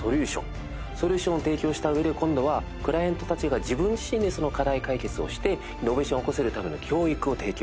ソリューションを提供した上で今度はクライアントたちが自分自身でその課題解決をしてイノベーションを起こせるための教育を提供。